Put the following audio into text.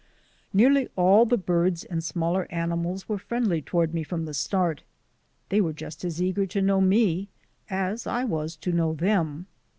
Nearly all the birds and smaller animals were friendly toward me from the start; they were just as eager to know me as I was to know them.